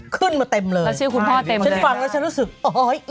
ขึ้นมาเต็มเลยฉันฟังแล้วฉันรู้สึกโอ้ยอิดเหลือเกินแล้วชื่อคุณพ่อเต็มเลย